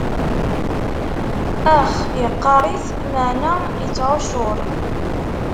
Ax, iqqaṛ-it, meɛna ittɛuccur.